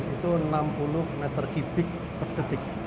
itu enam puluh meter kubik per detik